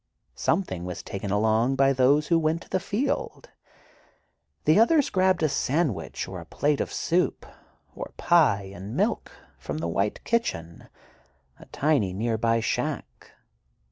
Something was taken along by those who went to the field. The others grabbed a sandwich or a plate of soup, or pie and milk, from the White Kitchen, a tiny nearby shack.